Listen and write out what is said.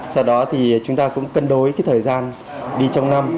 sau đó thì chúng ta cũng cân đối cái thời gian đi trong năm